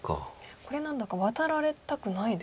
これ何だかワタられたくないですね。